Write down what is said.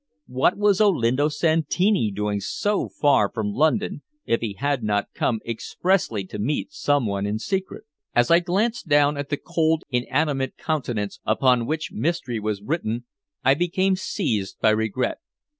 What was Olinto Santini doing so far from London, if he had not come expressly to meet someone in secret? As I glanced down at the cold, inanimate countenance upon which mystery was written, I became seized by regret.